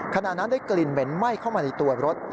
ขณะนั้นได้กลิ่นเหม็นไหม้เข้ามาในตัวรถ